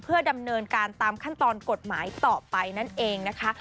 เพื่อดำเนินการตามขั้นตอนกฎหมายต่อไปนั่นเองนะคะ